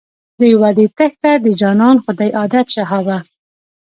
د وعدې تېښته د جانان خو دی عادت شهابه.